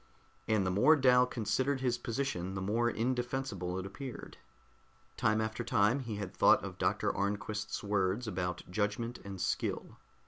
And the more Dal considered his position, the more indefensible it appeared. Time after time he had thought of Dr. Arnquist's words about judgment and skill.